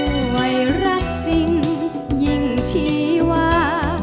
ด้วยรักจริงยิ่งชีวา